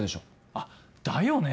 あっだよね！